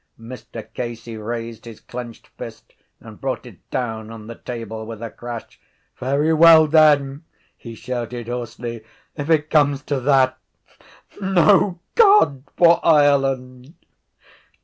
Mr Casey raised his clenched fist and brought it down on the table with a crash. —Very well then, he shouted hoarsely, if it comes to that, no God for Ireland!